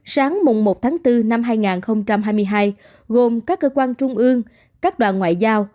sáng mùng một tháng bốn năm hai nghìn hai mươi hai gồm các cơ quan trung ương các đoàn ngoại giao